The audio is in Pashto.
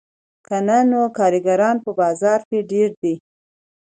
که نه نو کارګران په بازار کې ډېر دي